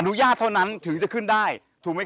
ชื่องนี้ชื่องนี้ชื่องนี้ชื่องนี้ชื่องนี้